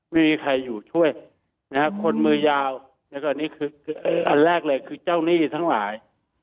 ไม่มีใครอยู่ช่วยคนมือยาวอันแรกเลยคือเจ้านี่ทั้งหลาย